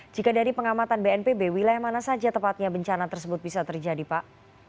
jika dari pengamatan bnpb wilayah mana saja tepatnya bencana tersebut bisa terjadi pak